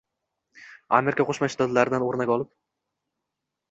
Amerika Qo'shma Shtatlaridan o‘rnak olib